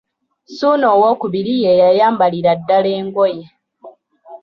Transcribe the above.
Ssuuna II ye yayambalira ddala engoye.